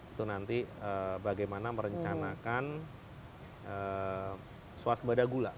itu nanti bagaimana merencanakan swasbada gula